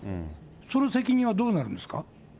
その責任はどうなるんですか。